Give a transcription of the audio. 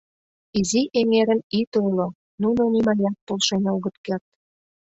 Изи эҥерым ит ойло, нуно нимаят полшен огыт керт.